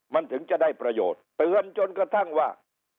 มันถึงจะได้ประโยชน์เตือนจนกระทั่งว่า